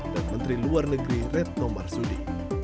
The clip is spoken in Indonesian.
menteri luar negeri retno marsudi